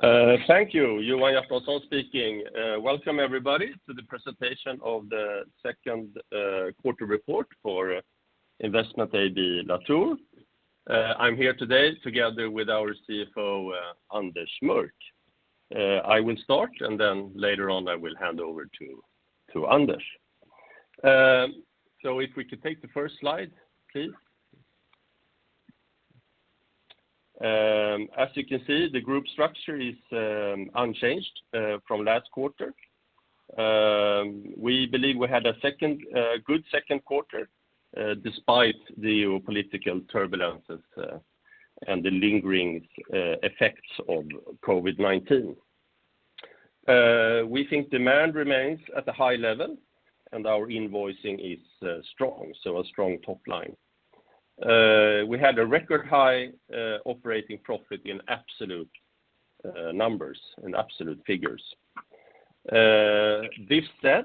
Thank you. Johan Hjertonsson speaking. Welcome everybody to the presentation of the second quarter report for Investment AB Latour. I'm here today together with our CFO, Anders Mörck. I will start, and then later on I will hand over to Anders. If we could take the first slide, please. As you can see, the group structure is unchanged from last quarter. We believe we had a good second quarter despite the geopolitical turbulences and the lingering effects of COVID-19. We think demand remains at a high level, and our invoicing is strong, so a strong top line. We had a record high operating profit in absolute numbers and absolute figures. That said,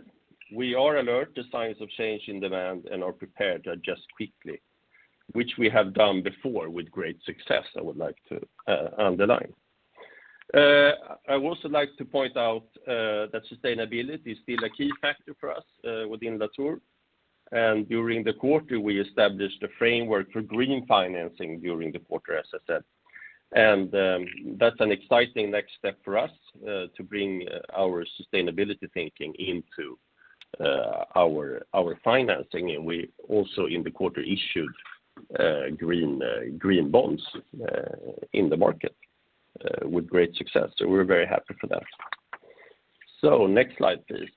we are alert to signs of change in demand and are prepared to adjust quickly, which we have done before with great success. I would like to underline. I would also like to point out that sustainability is still a key factor for us within Latour. During the quarter, we established a framework for green financing during the quarter, as I said. That's an exciting next step for us to bring our sustainability thinking into our financing. We also in the quarter issued green bonds in the market with great success. We're very happy for that. Next slide, please.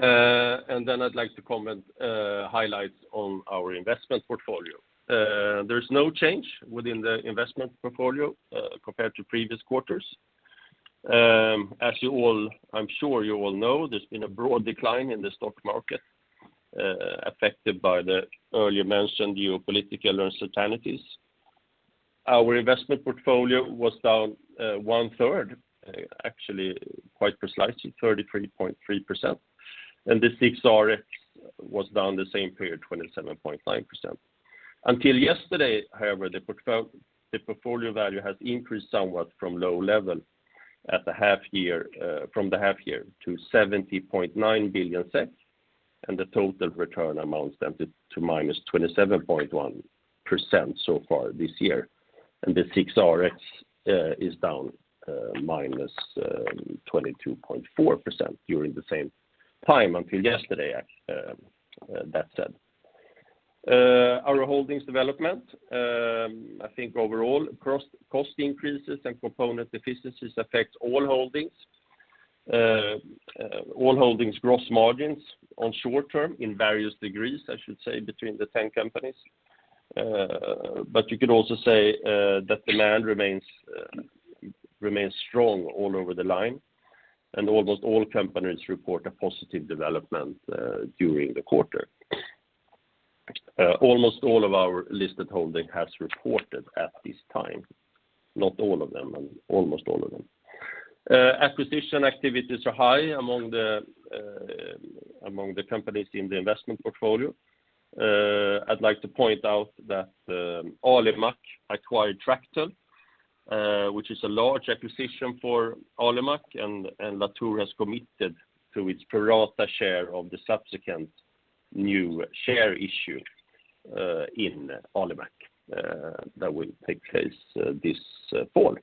Then I'd like to comment on highlights on our investment portfolio. There's no change within the investment portfolio compared to previous quarters. I'm sure you all know, there's been a broad decline in the stock market, affected by the earlier mentioned geopolitical uncertainties. Our investment portfolio was down 1/3, actually quite precisely 33.3%. The SIXRX was down the same period, 27.9%. Until yesterday, however, the portfolio value has increased somewhat from low level at the half year to 70.9 billion SEK, and the total return amounts to -27.1% so far this year. The SIXRX is down -22.4% during the same time until yesterday. That said. Our holdings development, I think overall cost increases and component deficiencies affect all holdings. All holdings gross margins on short term in various degrees, I should say, between the 10 companies. You could also say that demand remains strong all over the line, and almost all companies report a positive development during the quarter. Almost all of our listed holding has reported at this time. Not all of them, almost all of them. Acquisition activities are high among the companies in the investment portfolio. I'd like to point out that Alimak acquired Tractel, which is a large acquisition for Alimak, and Latour has committed to its pro rata share of the subsequent new share issue in Alimak that will take place this fall.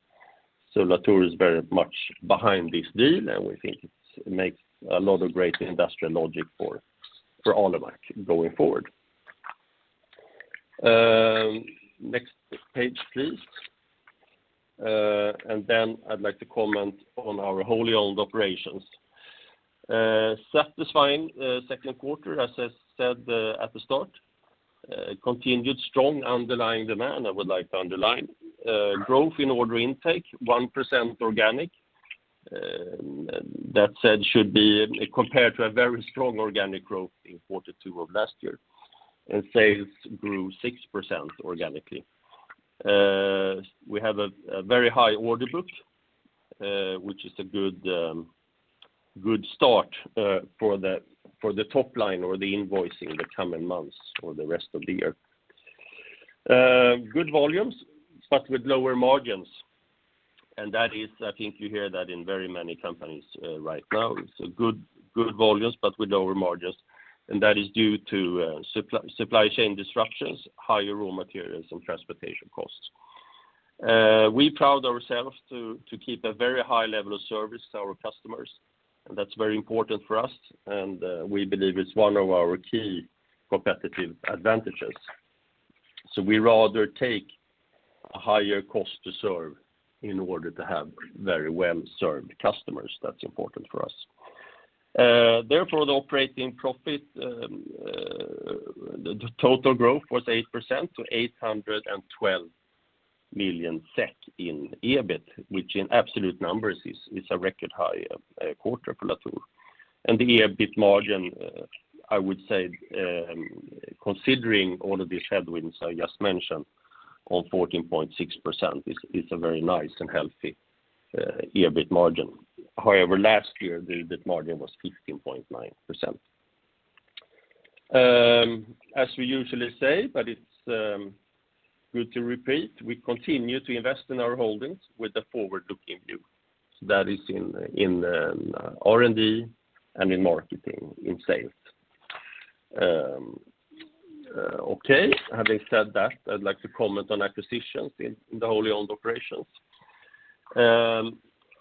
Latour is very much behind this deal, and we think it makes a lot of great industrial logic for Alimak going forward. Next page, please. I'd like to comment on our wholly owned operations. Satisfying second quarter, as I said, at the start. Continued strong underlying demand, I would like to underline. Growth in order intake, 1% organic. That said should be compared to a very strong organic growth in quarter two of last year, and sales grew 6% organically. We have a very high order book, which is a good start for the top line or the invoicing the coming months or the rest of the year. Good volumes, but with lower margins. That is, I think you hear that in very many companies, right now. Good volumes, but with lower margins. That is due to supply chain disruptions, higher raw materials and transportation costs. We pride ourselves to keep a very high level of service to our customers, and that's very important for us, and we believe it's one of our key competitive advantages. We rather take a higher cost to serve in order to have very well-served customers. That's important for us. Therefore, the operating profit, the total growth was 8% to 812 million SEK in EBIT, which in absolute numbers is a record high quarter for Latour. The EBIT margin, I would say, considering all of the headwinds I just mentioned, 14.6% is a very nice and healthy EBIT margin. However, last year, the EBIT margin was 15.9%. As we usually say, but it's good to repeat, we continue to invest in our holdings with a forward-looking view that is in R&D and in marketing, in sales. Having said that, I'd like to comment on acquisitions in the wholly owned operations.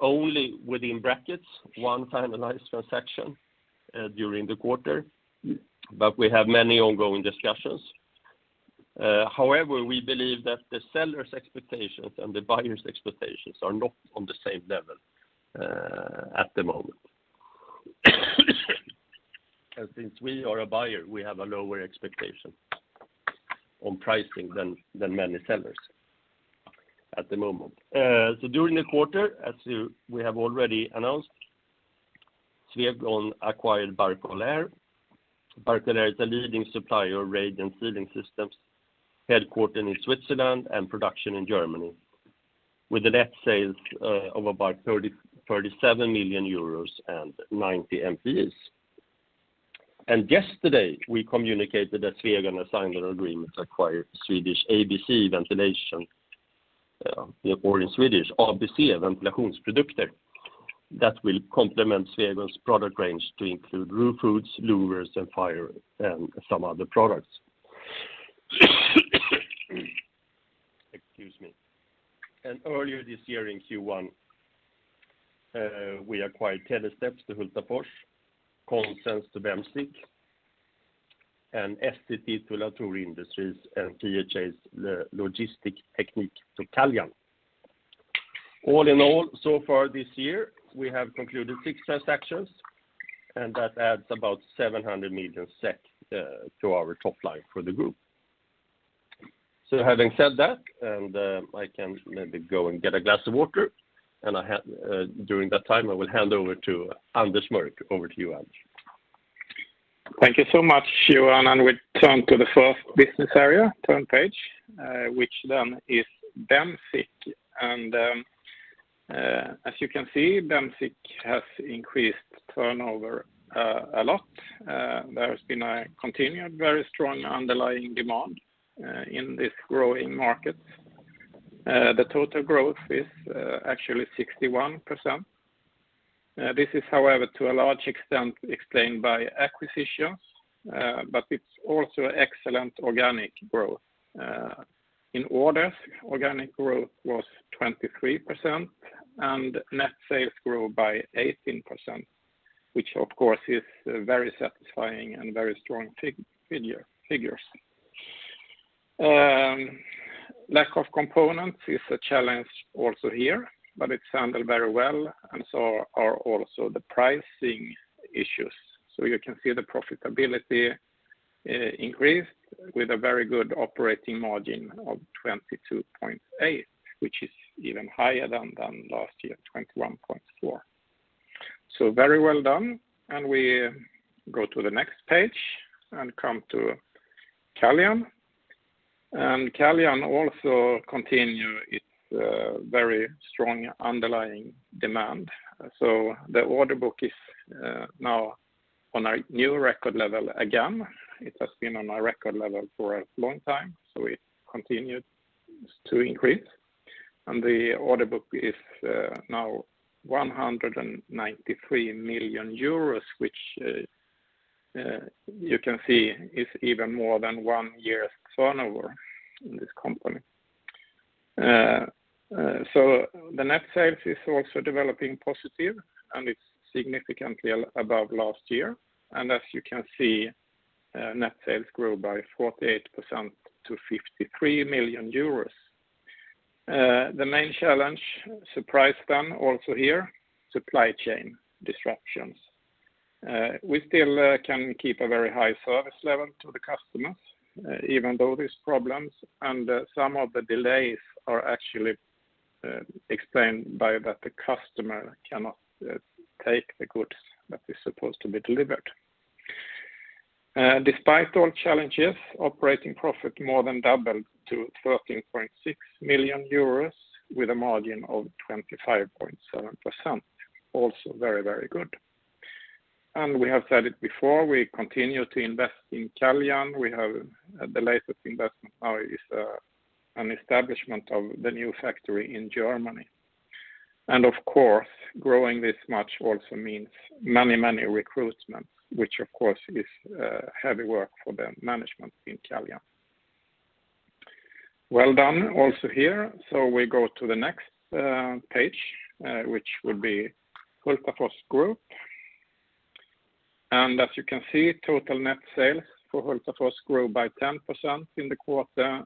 Only within brackets, one finalized transaction during the quarter, but we have many ongoing discussions. However, we believe that the seller's expectations and the buyer's expectations are not on the same level at the moment. Since we are a buyer, we have a lower expectation on pricing than many sellers at the moment. During the quarter, we have already announced, Swegon acquired Barcol-Air. Barcol-Air is a leading supplier of radiant ceiling systems, headquartered in Switzerland and production in Germany, with net sales of about 37 million euros and 90 FTEs. Yesterday, we communicated that Swegon has signed an agreement to acquire Swedish ABC Ventilationsprodukter. That will complement Swegon's product range to include roof hoods, louvers, and fire, and some other products. Excuse me. Earlier this year in Q1, we acquired Telesteps to Hultafors, Commonside to Bemsiq, and STT to Latour Industries, and THL Logistiktechnik to Caljan. All in all, so far this year, we have concluded six transactions, and that adds about 700 million SEK to our top line for the group. Having said that, I can maybe go and get a glass of water. During that time, I will hand over to Anders Mörck. Over to you, Anders. Thank you so much, Johan. We turn to the first business area, turn page, which then is Bemsiq. As you can see, Bemsiq has increased turnover a lot. There's been a continued very strong underlying demand in this growing market. The total growth is actually 61%. This is however to a large extent explained by acquisitions, but it's also excellent organic growth. In orders, organic growth was 23% and net sales grew by 18%, which of course is very satisfying and very strong figures. Lack of components is a challenge also here, but it's handled very well, and so are also the pricing issues. You can see the profitability increased with a very good operating margin of 22.8%, which is even higher than last year, 21.4%. Very well done. We go to the next page and come to Caljan. Caljan also continue its very strong underlying demand. The order book is now on a new record level again. It has been on a record level for a long time, so it continued to increase. The order book is now 193 million euros, which you can see is even more than one year's turnover in this company. The net sales is also developing positive, and it's significantly above last year. As you can see, net sales grew by 48% to 53 million euros. The main challenge, surprise then also here, supply chain disruptions. We still can keep a very high service level to the customers, even though there's problems, and some of the delays are actually explained by that the customer cannot take the goods that is supposed to be delivered. Despite all challenges, operating profit more than doubled to 13.6 million euros with a margin of 25.7%. Also very, very good. We have said it before, we continue to invest in Caljan. We have the latest investment now is an establishment of the new factory in Germany. Of course, growing this much also means many, many recruitments, which of course is heavy work for the management in Caljan. Well done also here. We go to the next page, which will be Hultafors Group. As you can see, total net sales for Hultafors grew by 10% in the quarter.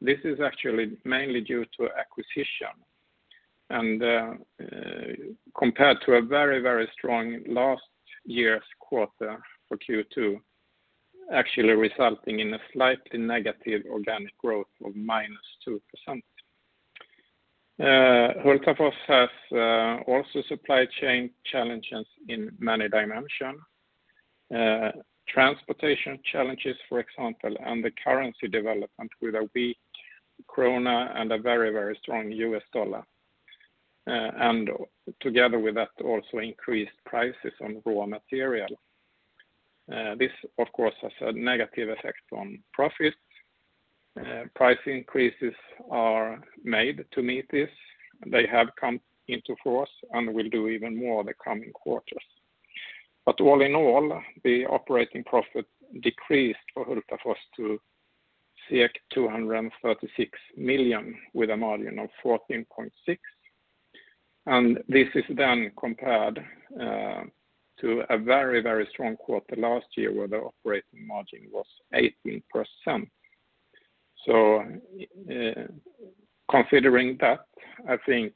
This is actually mainly due to acquisition. Compared to a very, very strong last year's quarter for Q2, actually resulting in a slightly negative organic growth of -2%. Hultafors has also supply chain challenges in many dimensions. Transportation challenges, for example, and the currency development with a weak krona and a very, very strong US dollar. Together with that also increased prices on raw material. This of course has a negative effect on profits. Price increases are made to meet this. They have come into force and will do even more in the coming quarters. All in all, the operating profit decreased for Hultafors to 236 million with a margin of 14.6%. This is then compared to a very, very strong quarter last year where the operating margin was 18%. Considering that, I think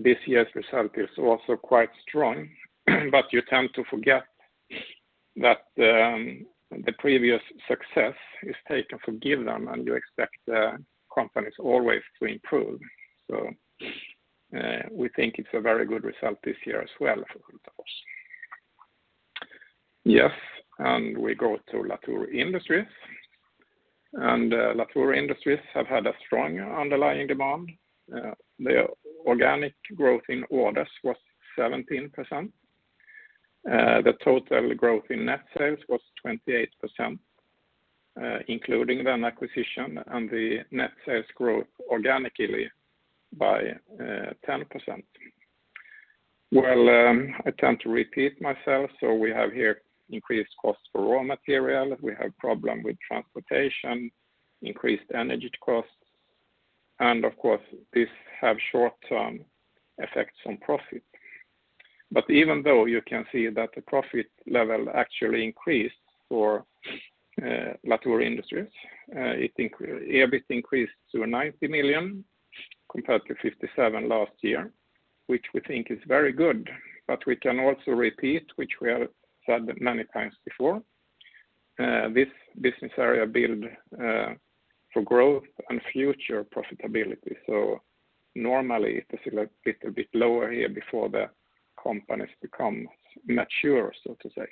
this year's result is also quite strong, but you tend to forget that the previous success is taken for given, and you expect the companies always to improve. We think it's a very good result this year as well for Hultafors. Yes, we go to Latour Industries. Latour Industries have had a strong underlying demand. The organic growth in orders was 17%. The total growth in net sales was 28%, including an acquisition, and the net sales growth organically by 10%. Well, I tend to repeat myself, so we have here increased costs for raw material. We have problem with transportation, increased energy costs, and of course, this have short-term effects on profit. Even though you can see that the profit level actually increased for Latour Industries, EBIT increased to 90 million compared to 57 million last year, which we think is very good. We can also repeat, which we have said many times before, this business area build for growth and future profitability. Normally, it is a little bit lower here before the companies become mature, so to say.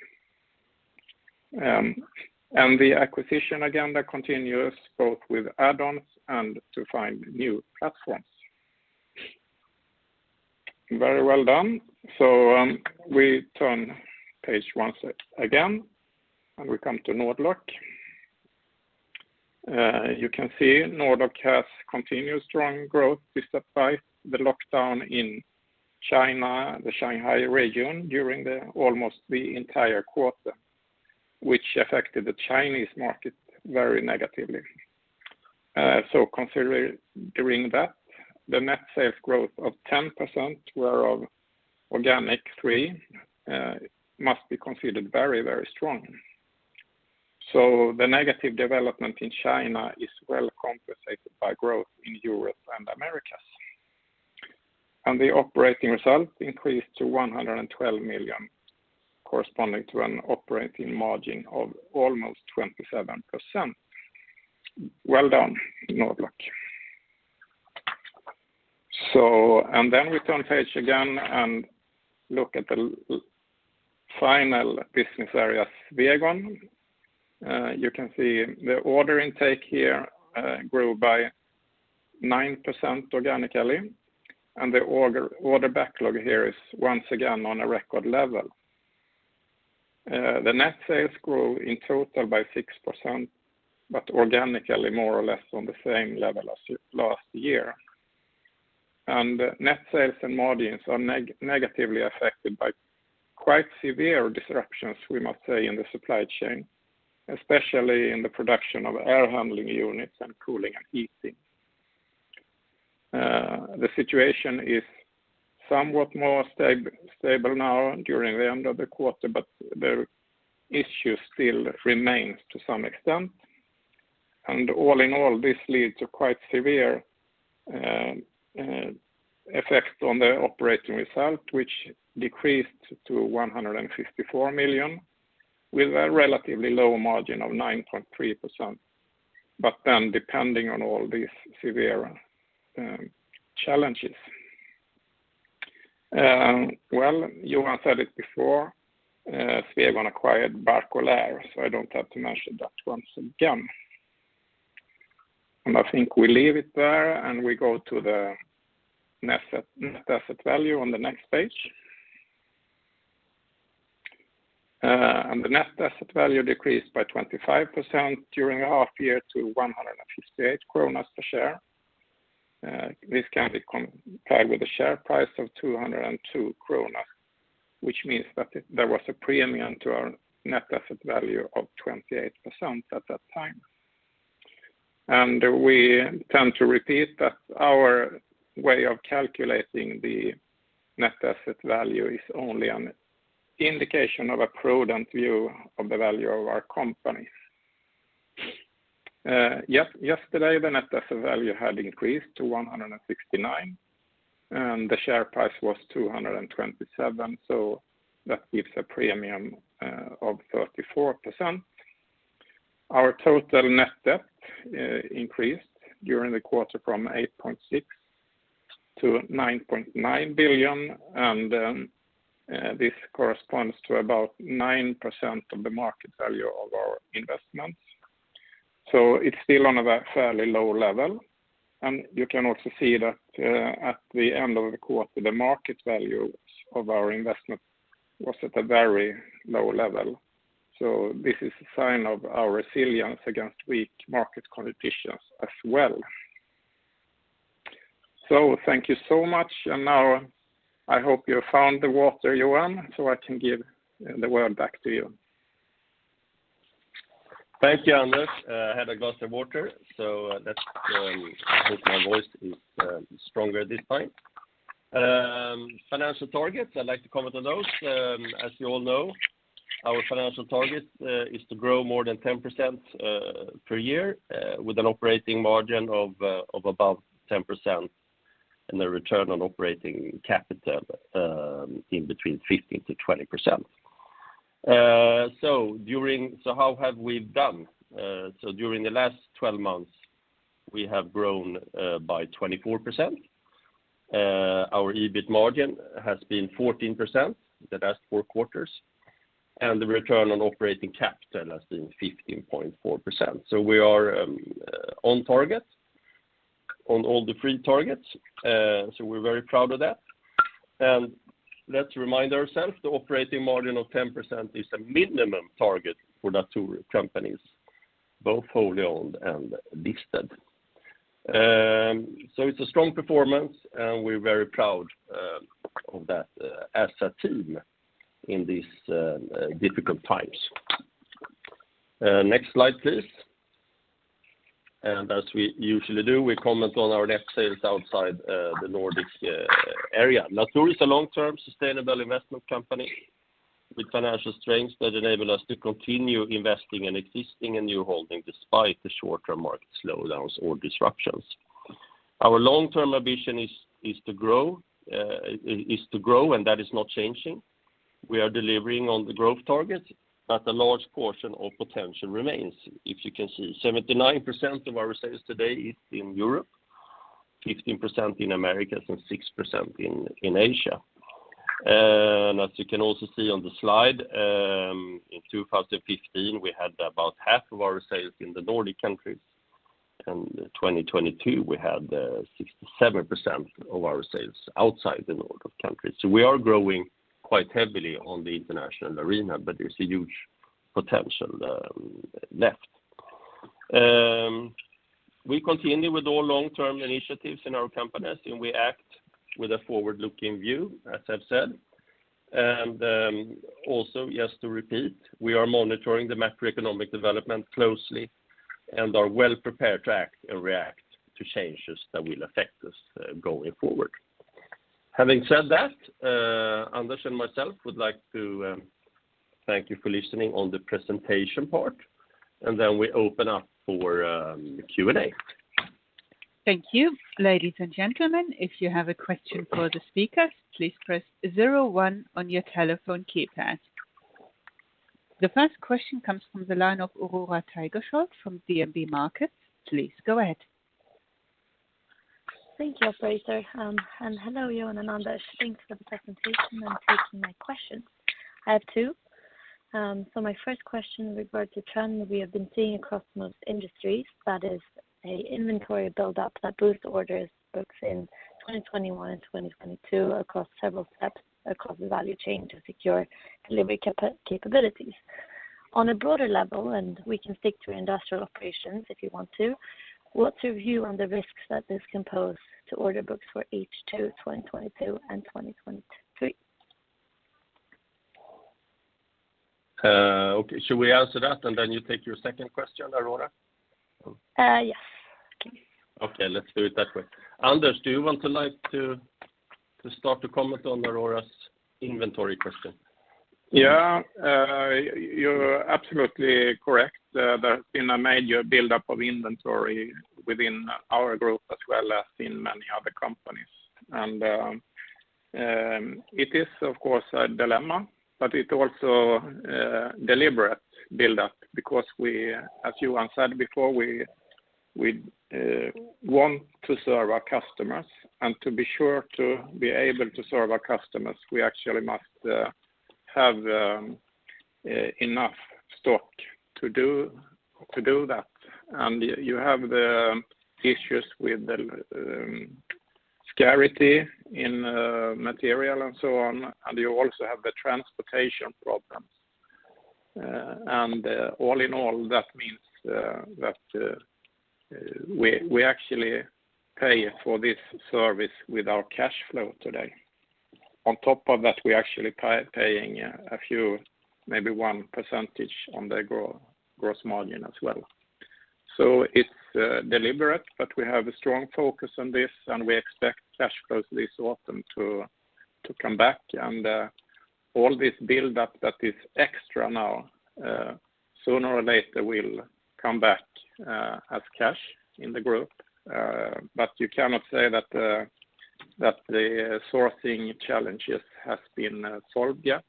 The acquisition agenda continues both with add-ons and to find new platforms. Very well done. We turn page once again, and we come to Nord-Lock. You can see Nord-Lock has continued strong growth despite the lockdown in China, the Shanghai region during almost the entire quarter, which affected the Chinese market very negatively. Considering that the net sales growth of 10% whereof organic 3% must be considered very, very strong. The negative development in China is well compensated by growth in Europe and Americas. The operating result increased to 112 million, corresponding to an operating margin of almost 27%. Well done, Nord-Lock. Then we turn page again and look at the final business area, Swegon. You can see the order intake here grew by 9% organically, and the order backlog here is once again on a record level. The net sales grew in total by 6%, but organically more or less on the same level as last year. Net sales and margins are negatively affected by quite severe disruptions, we must say, in the supply chain, especially in the production of air handling units and cooling and heating. The situation is somewhat more stable now during the end of the quarter, but the issue still remains to some extent. All in all, this leads to quite severe effect on the operating result, which decreased to 154 million with a relatively low margin of 9.3%, but then depending on all these severe challenges. Well, Johan said it before, Swegon acquired Barcol-Air, so I don't have to mention that once again. I think we leave it there, and we go to the net asset, net asset value on the next page. The net asset value decreased by 25% during the half year to 158 kronor per share. This can be compared with a share price of 202 kronor, which means that there was a premium to our net asset value of 28% at that time. We tend to repeat that our way of calculating the net asset value is only an indication of a prudent view of the value of our companies. Yesterday, the net asset value had increased to 169, and the share price was 227, so that gives a premium of 34%. Our total net debt increased during the quarter from 8.6 billion to 9.9 billion, and this corresponds to about 9% of the market value of our investments. It's still on a fairly low level, and you can also see that at the end of the quarter, the market value of our investment was at a very low level. This is a sign of our resilience against weak market conditions as well. Thank you so much. Now I hope you found the water, Johan, so I can give the word back to you. Thank you, Anders. I had a glass of water, so let's hope my voice is stronger this time. Financial targets, I'd like to comment on those. As you all know, our financial target is to grow more than 10% per year with an operating margin of above 10% and a return on operating capital in between 15%-20%. How have we done? During the last 12 months, we have grown by 24%. Our EBIT margin has been 14% the last four quarters, and the return on operating capital has been 15.4%. We are on target on all the three targets, so we're very proud of that. Let's remind ourselves, the operating margin of 10% is a minimum target for the two companies, both wholly owned and listed. So it's a strong performance, and we're very proud of that as a team in these difficult times. Next slide, please. As we usually do, we comment on our net sales outside the Nordics area. Latour is a long-term sustainable investment company with financial strengths that enable us to continue investing in existing and new holdings despite the short-term market slowdowns or disruptions. Our long-term ambition is to grow, and that is not changing. We are delivering on the growth targets, but a large portion of potential remains. If you can see, 79% of our sales today is in Europe, 15% in Americas, and 6% in Asia. As you can also see on the slide, in 2015, we had about half of our sales in the Nordic countries, and in 2022, we had 67% of our sales outside the Nordic countries. So we are growing quite heavily on the international arena, but there's a huge potential left. We continue with all long-term initiatives in our companies, and we act with a forward-looking view, as I've said. Also, just to repeat, we are monitoring the macroeconomic development closely and are well prepared to act and react to changes that will affect us going forward. Having said that, Anders and myself would like to thank you for listening on the presentation part, and then we open up for Q&A. Thank you. Ladies and gentlemen, if you have a question for the speakers, please press zero one on your telephone keypad. The first question comes from the line of Aurore Tigerschiöld from DNB Markets. Please go ahead. Thank you, operator. Hello, Johan and Anders. Thanks for the presentation and taking my question. I have two. My first question regards a trend we have been seeing across most industries. That is an inventory buildup that boosts order books in 2021 and 2022 across several steps across the value chain to secure delivery capabilities. On a broader level, we can stick to industrial operations if you want to. What's your view on the risks that this can pose to order books for H2 2022 and 2023? Okay. Should we answer that, and then you take your second question, Aurore? Yes. Okay. Okay, let's do it that way. Anders, do you want, like, to start to comment on Aurore's inventory question? Yeah. You're absolutely correct. There has been a major buildup of inventory within our group as well as in many other companies. It is of course a dilemma, but it's also a deliberate buildup because we, as Johan said before, we want to serve our customers, and to be sure to be able to serve our customers, we actually must have enough stock to do that. You have the issues with the scarcity in material and so on, and you also have the transportation problems. All in all, that means that we actually pay for this service with our cash flow today. On top of that, we're actually paying a few, maybe 1% on the gross margin as well. It's deliberate, but we have a strong focus on this, and we expect cash flows this autumn to come back. All this buildup that is extra now, sooner or later will come back, as cash in the group. You cannot say that that the sourcing challenges has been solved yet.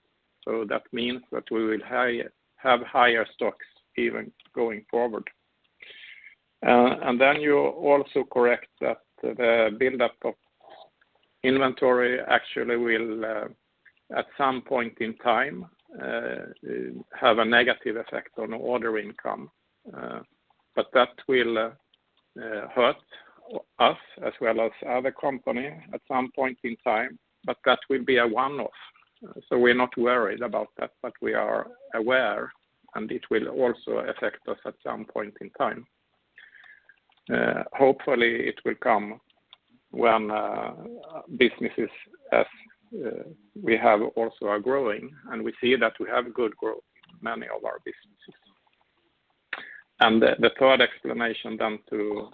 That means that we will have higher stocks even going forward. Then you're also correct that the buildup of Inventory actually will at some point in time have a negative effect on order intake. That will hurt us as well as other companies at some point in time, but that will be a one-off. We're not worried about that, but we are aware, and it will also affect us at some point in time. Hopefully, it will come when businesses as we have also are growing, and we see that we have good growth in many of our businesses. The third explanation then to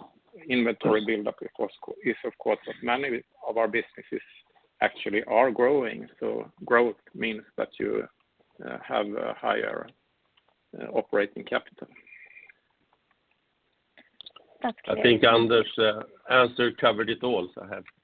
inventory buildup, of course, is that many of our businesses actually are growing. Growth means that you have a higher operating capital. That's clear. I think Anders' answer covered it all.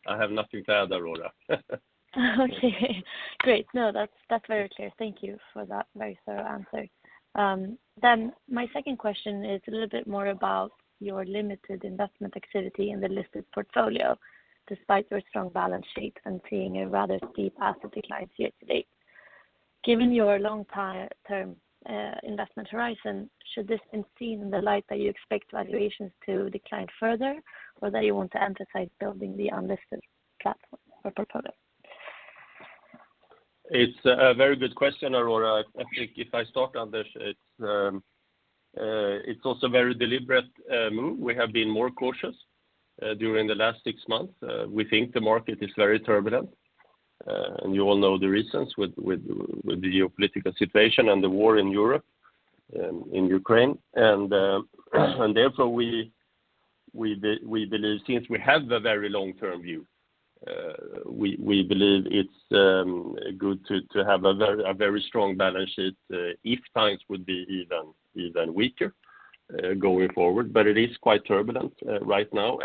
I have nothing to add, Aurore. Okay. Great. No, that's very clear. Thank you for that very thorough answer. My second question is a little bit more about your limited investment activity in the listed portfolio, despite your strong balance sheet and seeing a rather steep asset declines year-to-date. Given your long-term investment horizon, should this been seen in the light that you expect valuations to decline further, or that you want to emphasize building the unlisted platform or portfolio? It's a very good question, Aurore. I think if I start, Anders, it's also a very deliberate move. We have been more cautious during the last six months. We think the market is very turbulent, and you all know the reasons with the geopolitical situation and the war in Europe, in Ukraine. Therefore, we believe since we have the very long-term view, we believe it's good to have a very strong balance sheet, if times would be even weaker going forward. It is quite turbulent right now.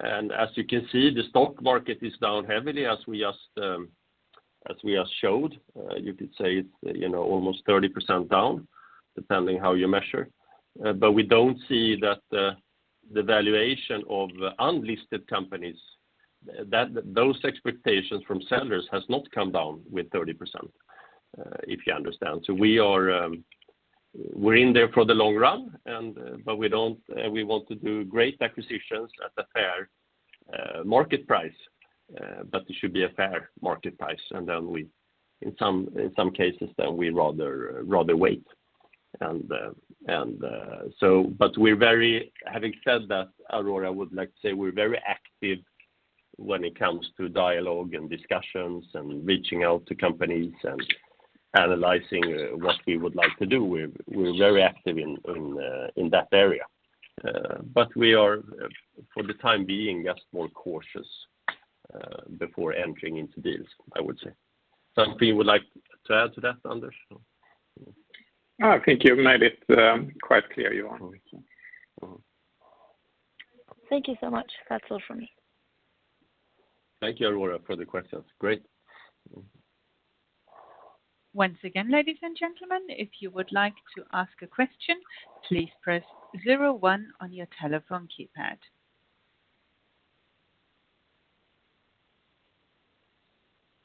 As you can see, the stock market is down heavily as we just showed. You could say it's, you know, almost 30% down, depending how you measure. We don't see that the valuation of unlisted companies, that those expectations from sellers has not come down by 30%, if you understand. We are in there for the long run. We want to do great acquisitions at a fair market price. It should be a fair market price. In some cases, we rather wait. We're very active when it comes to dialogue and discussions and reaching out to companies and analyzing what we would like to do. We're very active in that area. We are, for the time being, just more cautious before entering into deals, I would say. Something you would like to add to that, Anders? No. I think you've made it quite clear, Johan. Mm-hmm. Thank you so much. That's all from me. Thank you, Aurore, for the questions. Great. Once again, ladies and gentlemen, if you would like to ask a question, please press zero one on your telephone keypad.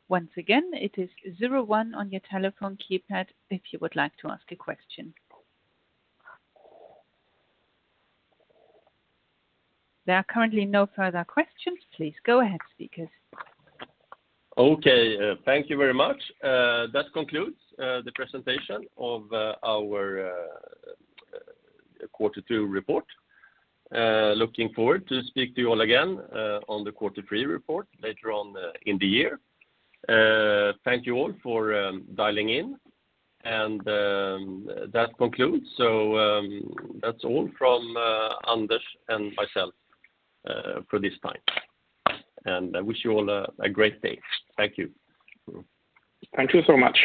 Once again, it is zero one on your telephone keypad if you would like to ask a question. There are currently no further questions. Please go ahead, speakers. Okay. Thank you very much. That concludes the presentation of our quarter two report. Looking forward to speak to you all again on the quarter three report later on in the year. Thank you all for dialing in. That concludes. That's all from Anders and myself for this time. I wish you all a great day. Thank you. Thank you so much.